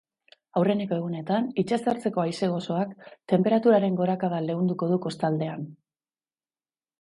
Aurreneko egunetan, itsasertzeko haize gozoak tenperaturen gorakada leunduko du kostaldean.